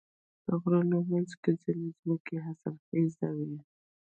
د غرونو منځ کې ځینې ځمکې حاصلخیزې وي.